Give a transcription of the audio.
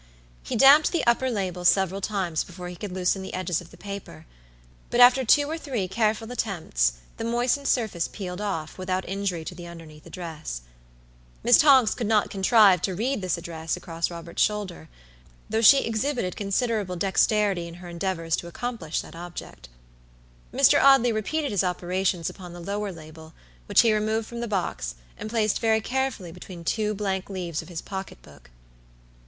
He damped the upper label several times before he could loosen the edges of the paper; but after two or three careful attempts the moistened surface peeled off, without injury to the underneath address. Miss Tonks could not contrive to read this address across Robert's shoulder, though she exhibited considerable dexterity in her endeavors to accomplish that object. Mr. Audley repeated his operations upon the lower label, which he removed from the box, and placed very carefully between two blank leaves of his pocket book.